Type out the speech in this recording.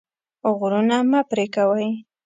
غرونه مه پرې کوئ.